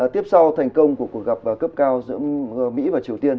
tiếp sau thành công của cuộc gặp cấp cao giữa mỹ và triều tiên